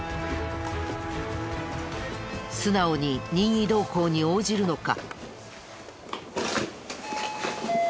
素直に任意同行に応じるのか？